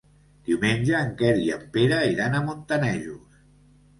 Diumenge en Quer i en Pere iran a Montanejos.